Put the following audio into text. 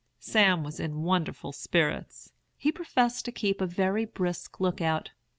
Sam was in wonderful spirits. He professed to keep a very brisk lookout.